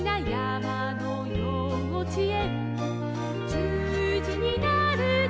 「じゅうじになると」